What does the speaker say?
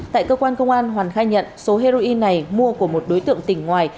tại cơ quan công an hoàn khai nhận số heroin này mua của một đối tượng tỉnh ngoài